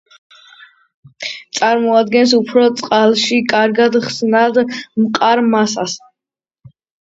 წარმოადგენს უფერო, წყალში კარგად ხსნად მყარ მასას.